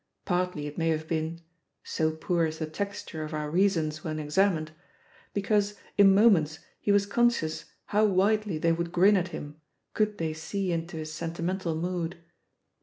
Partly it may have been — so poor is the texture of our reasons when examined! — ^because, in moments, he was con scious how widely they would grin at him, could they see into his sentimental mood.